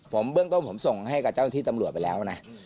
ผมเบื้องต้นผมส่งให้กับเจ้าที่ตำรวจไปแล้วนะ